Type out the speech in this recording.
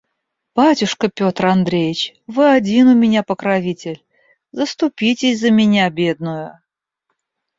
Батюшка Петр Андреич! вы один у меня покровитель; заступитесь за меня бедную.